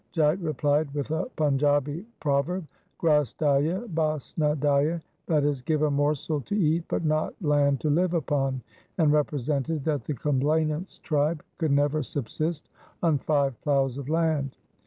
Jait replied with a Panjabi proverb, ' Gras daiye, bas na daiye '— that is, give a morsel to eat, but not land to live upon — and represented that the complainants' tribe could never subsist on five ploughs of land.